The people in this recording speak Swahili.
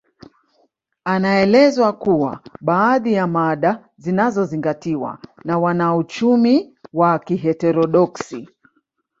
Anaeleza kuwa baadhi ya mada zinazozingatiwa na wanauchumi wa kiheterodoksi